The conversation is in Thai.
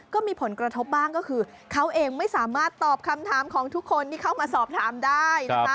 ก็มีผลกระทบบ้างก็คือเขาเองไม่สามารถตอบคำถามของทุกคนที่เข้ามาสอบถามได้นะคะ